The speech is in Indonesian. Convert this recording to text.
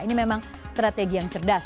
ini memang strategi yang cerdas